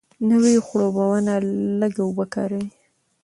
نوې خړوبونه لږه اوبه کاروي.